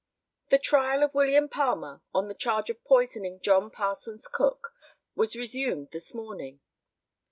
The trial of William Palmer on the charge of poisoning John Parsons Cook was resumed this morning.